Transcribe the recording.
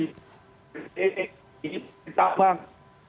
ini penting ini penting bang